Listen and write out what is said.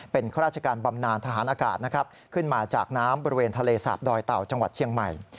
เป็นข้าราชการบำนานทหารอากาศนะครับขึ้นมาจากน้ำบริเวณทะเลสาบดอยเต่าจังหวัดเชียงใหม่